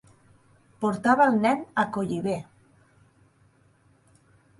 Portava el nen a collibè.